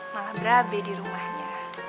malah berabe di rumahnya